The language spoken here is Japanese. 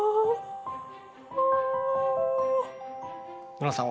ノラさん